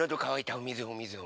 おみずおみず。